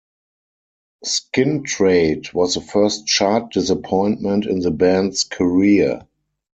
"Skin Trade" was the first chart disappointment in the band's career.